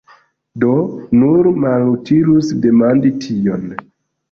Do, nur malutilus demandi tion!